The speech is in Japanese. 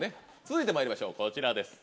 続いてまいりましょうこちらです。